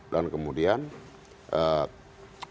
dan kemudian pendalaman